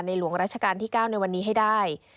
หลวงราชการที่๙ในวันนี้ให้ได้